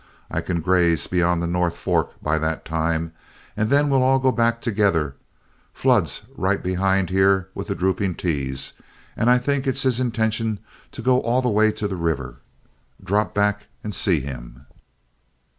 I can graze beyond the North Fork by that time, and then we'll all go back together. Flood's right behind here with the 'Drooping T's,' and I think it's his intention to go all the way to the river. Drop back and see him."